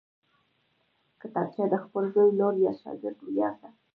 کتابچه د خپل زوی، لور یا شاګرد ویاړ ده